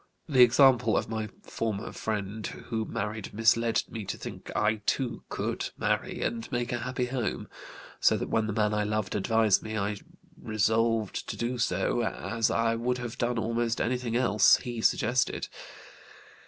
The example of my former friend who married misled me to think I too could marry and make a happy home; so that when the man I loved advised me I resolved to do so, as I would have done almost anything else he suggested.